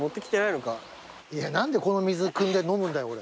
いや何でこの水くんで飲むんだよ俺。